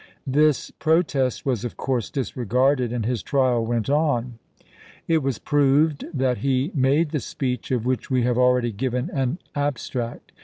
This protest was, of course, disregarded, and his trial went on. It was proved that he made the speech of which we have already given an abstract.